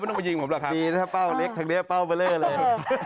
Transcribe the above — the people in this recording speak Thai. ไม่ต้องมายิงผมเหรอคะมีนะถ้าเป้าเล็กทั้งเนี้ยเป้าเบอร์เรอเลย